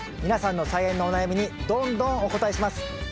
皆さんの菜園のお悩みにどんどんお答えします。